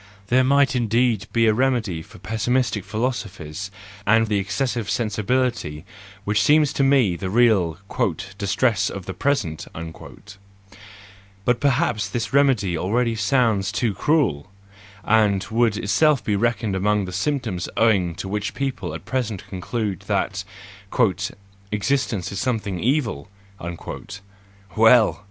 —There might indeed be a remedy for pessimistic philosophies and the excessive sensibility which seems to me the real "distress of the present":—but perhaps this remedy already sounds too cruel, and would itself be reckoned among the symptoms owing to which people at present conclude that " existence is some¬ thing evil." Well!